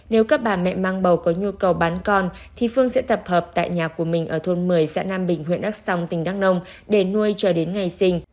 nếu các bà mẹ mang bầu có nhu cầu bán con thì phương sẽ tập hợp tại nhà của mình ở thôn một mươi xã nam bình huyện đắk song tỉnh đắk nông để nuôi chờ đến ngày sinh